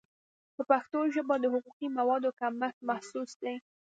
په پښتو ژبه د حقوقي موادو کمښت محسوس دی.